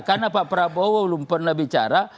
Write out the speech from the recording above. karena pak prabowo belum pernah bicara